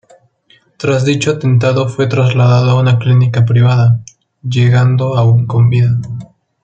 Tras dicho atentado fue trasladado a una clínica privada, llegando aún con vida.